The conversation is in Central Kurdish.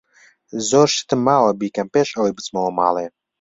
زۆر شتم ماوە بیکەم پێش ئەوەی بچمەوە ماڵێ.